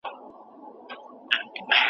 تاسو کولای سئ چي له کتابتون څخه ګټه پورته کړئ.